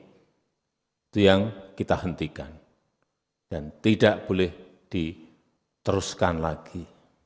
itu yang kita hentikan dan tidak boleh diteruskan lagi